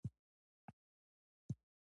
تڼۍ يې کېکاږله.